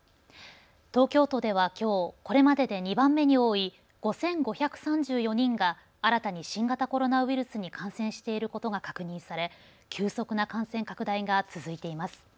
東京都ではきょう、これまでで２番目に多い５５３４人が新たに新型コロナウイルスに感染していることが確認され急速な感染拡大が続いています。